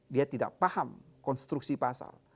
dia tidak paham konstruksi pasal